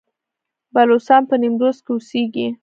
بلوڅان په نیمروز کې اوسیږي؟